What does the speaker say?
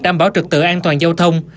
đảm bảo trực tựa an toàn giao thông